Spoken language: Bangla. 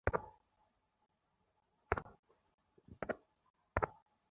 পছন্দ হয়েছে বাড়িটা?